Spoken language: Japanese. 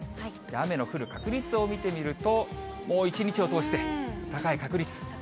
雨の降る確率を見てみると、もう一日を通して高い確率。